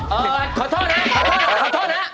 เออขอโทษนะ